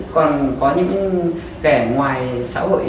còn có những kẻ ngoài xã hội